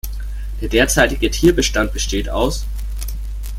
Der derzeitige Tierbestand besteht aus